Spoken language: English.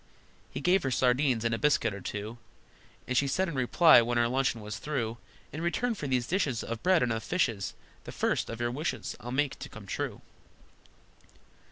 He gave her sardines, and a biscuit or two, And she said in reply, when her luncheon was through, "In return for these dishes Of bread and of fishes The first of your wishes I'll make to come true!"